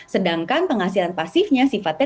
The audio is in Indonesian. sedangkan penghasilan pasifnya sifatnya